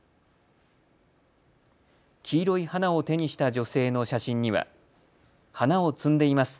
黄色い花を手にした女性の写真には花を摘んでいます。